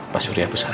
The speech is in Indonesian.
pak surya bu sara